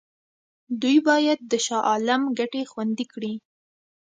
دوی باید د شاه عالم ګټې خوندي کړي.